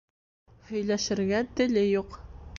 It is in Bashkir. Һөйләшергә теле юҡ